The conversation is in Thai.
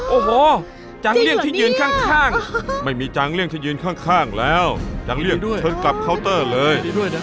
โอ้โหจังเลี่ยงที่ยืนข้างไม่มีจังเลี่ยงเธอยืนข้างแล้วจังเลี่ยงด้วยเธอกลับเคาน์เตอร์เลย